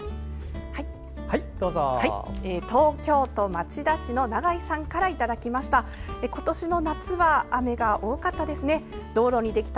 東京都町田市の永井さんからいただきました。